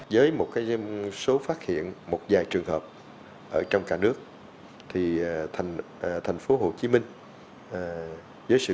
với một số phát hiện một vài trường hợp ở trong cả nước thành phố hồ chí minh với sự